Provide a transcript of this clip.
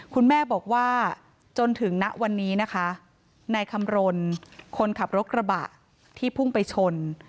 คุณแม่บอกว่าจนถึงณวันนี้นะคะนายคำรณคนขับรถกระบะที่พุ่งไปชน